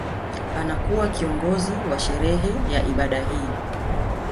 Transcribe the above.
Anakuwa kiongozi wa sherehe ya ibada hii